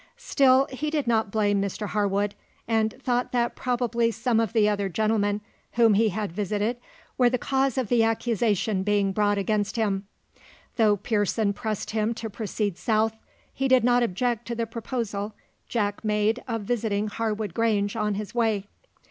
Still he did not blame Mr Harwood, and thought that probably some of the other gentlemen whom he had visited were the cause of the accusation being brought against him. Though Pearson pressed him to proceed south, he did not object to the proposal Jack made of visiting Harwood Grange on his way.